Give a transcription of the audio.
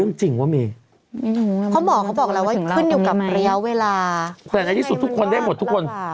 เรียวเวลาความยังไงมันก็ราบราดแต่ในที่สุดทุกคนได้หมดทุกคน